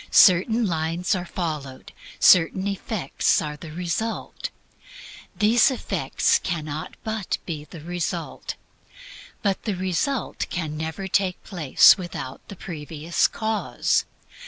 Certain lines are followed; certain effects are the result. These effects cannot but be the result. But the result can never take place without the previous cause.